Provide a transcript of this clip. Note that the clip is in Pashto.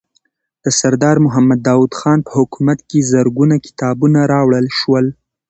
د سردار محمد داود خان په حکومت کې زرګونه کتابونه راوړل شول.